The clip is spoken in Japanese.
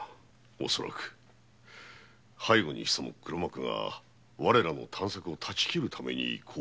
恐らく背後に潜む黒幕が我らの探索を断ち切るために甲兵衛を。